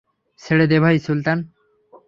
ছেড়ে দে ভাই, সুলতান!